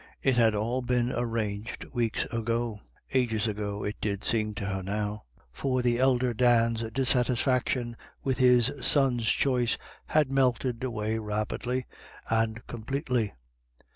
It had all been arranged weeks ago — ages ago it seemed to her now— for the elder Dan's dissatisfaction with his 2o6 IRISH IDYLLS. son's choice had melted away rapidly and com pletely.